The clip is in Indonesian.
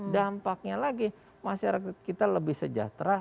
dampaknya lagi masyarakat kita lebih sejahtera